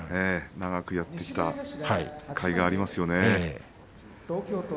長くやってきたかいがありますよね。